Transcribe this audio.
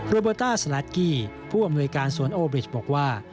โบต้าสลากกี้ผู้อำนวยการสวนโอบริชบอกว่า